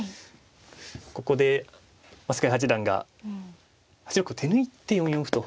ここで菅井八段が８六歩手抜いて４四歩と。